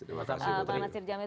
terima kasih mbak nasir jamil